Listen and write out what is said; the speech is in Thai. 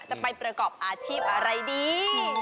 จะไปประกอบอาชีพอะไรดี